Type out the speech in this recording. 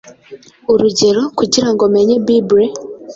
Urugero, kugirango menye bible,